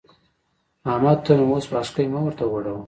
احمده! ته نو اوس اوښکی مه ورته غوړوه.